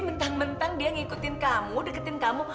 bapak yang ngasih tau